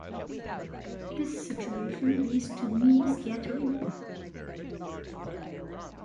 This situation leads to Mie scattering.